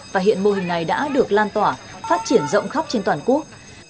và hiện mô hình này đã được lan tỏa phát triển rộng khắp trên toàn quốc